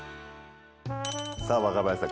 さぁ若林さん